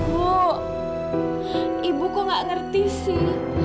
bu ibu gak ngerti sih